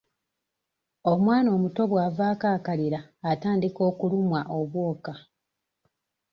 Omwana omuto bw'avaako akalira atandika okulumwa obwoka.